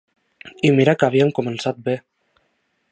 I mira que havíem començat bé!